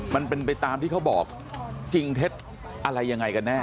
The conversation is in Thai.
มันเป็นไปตามที่เขาบอกจริงเท็จอะไรยังไงกันแน่